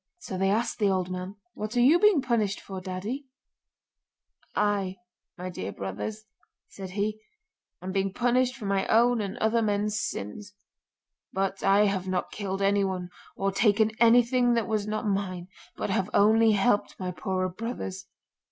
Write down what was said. So they asked the old man: 'What are you being punished for, Daddy?'—'I, my dear brothers,' said he, 'am being punished for my own and other men's sins. But I have not killed anyone or taken anything that was not mine, but have only helped my poorer brothers.